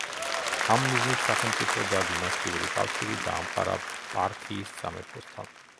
ამ მიზნით სახელმწიფო და დინასტიური კავშირი დაამყარა პართიის სამეფოსთან.